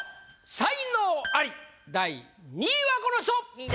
才能アリ第２位はこの人！